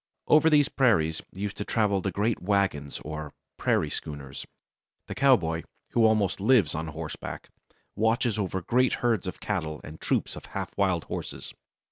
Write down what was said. Over these prairies used to travel the great wagons or "prairie schooners." The cowboy, who almost lives on horseback, watches over great herds of cattle and troops of half wild horses.